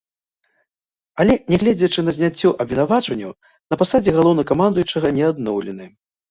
Але нягледзячы на зняцце абвінавачванняў, на пасадзе галоўнакамандуючага не адноўлены.